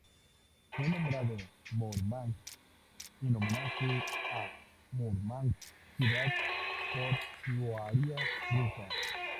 Fue nombrado Murmansk en homenaje a Múrmansk ciudad portuaria rusa.